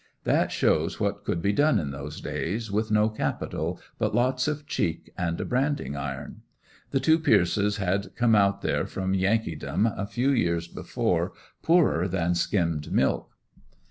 That shows what could be done in those days, with no capital, but lots of cheek and a branding iron. The two Pierce's had come out there from Yankeedom a few years before poorer than skimmed milk.